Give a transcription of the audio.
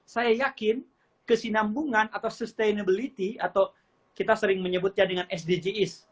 saya yakin kesinambungan atau sustainability atau kita sering menyebutnya dengan sdgs